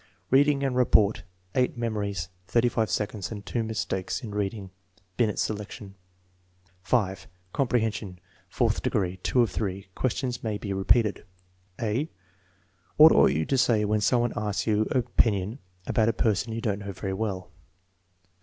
Reading and report. (8 memories. 35 seconds and 8 mis takes in reading.) (Binet's selection.) 5. Comprehension, 4th degree, (% of 3. Question may be repeated.) (a) "What ought you to say when some one asks your opinion about a person you don't know very well?"